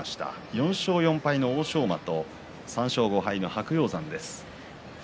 ４勝４敗の欧勝馬と３勝５敗の白鷹山です。